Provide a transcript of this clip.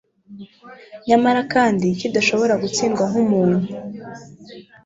nyamara kandi kidashobora gutsindwa nkumuntu